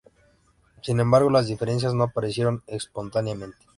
Sin embargo, las diferencias no aparecieron espontáneamente.